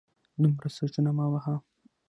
دومره سوچونه مه وهه